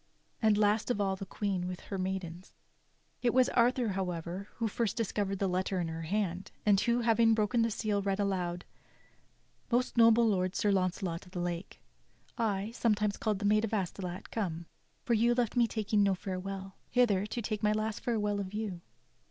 And last of all the Queen with her maidens. It was Arthur, however, who first discovered the letter in her hand, and who, having broken the seal read aloud : "Most noble lord, Sir Launcelot of the Lake, I, sometimes call'd the Maid of Astolat, Come, for you left me taking no fdrewell, Hither, to take my last farewell of you.